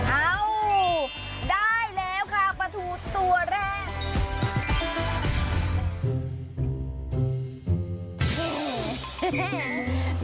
เอ้าได้แล้วค่ะปลาทูตัวแรก